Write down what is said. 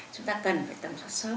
chúng ta cần phải tầm soát sớm